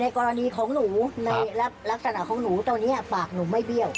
กรณีของหนูในลักษณะของหนูตอนนี้ปากหนูไม่เบี้ยว